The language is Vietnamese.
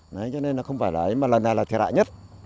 nói cho nên nó không phải là ấy mà lần này là thời đại nhất